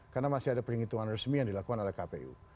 karena masih ada perhitungan resmi yang dilakukan oleh kpu